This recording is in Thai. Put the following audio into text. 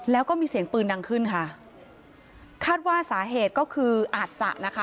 แล้วก็มีเสียงปืนดังขึ้นค่ะคาดว่าสาเหตุก็คืออาจจะนะคะ